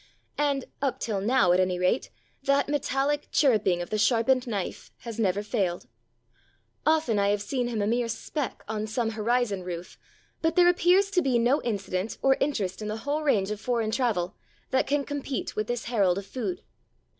And up till now, at any rate, that metallic chirruping of the sharpened knife has never failed. Often I have 258 There Arose a King seen him a mere speck on some horizon roof, but there appears to be no incident or interest in the whole range of foreign travel that can compete with this herald of food.